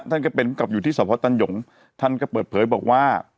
ท่านก็เป็นผู้กลับอยู่ที่สพตันหยงท่านก็เปิดเผยบอกว่า